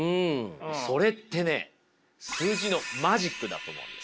それってね数字のマジックだと思うんです。